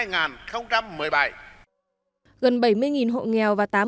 gần bảy mươi hộ nghèo tỉ lệ hộ nghèo của tỉnh nghệ an vẫn còn cao